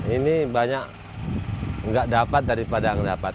ini banyak nggak dapat daripada yang dapat